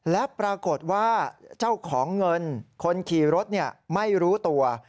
และปรากฏว่าเจ้าของเงินคนขี่รถไม่รู้ตัว